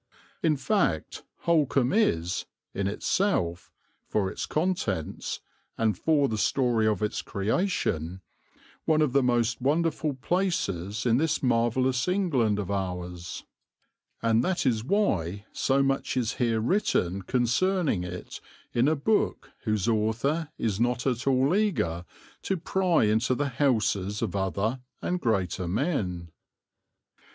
In fact, Holkham is, in itself, for its contents, and for the story of its creation, one of the most wonderful places in this marvellous England of ours; and that is why so much is here written concerning it in a book whose author is not at all eager to pry into the houses of other and greater men.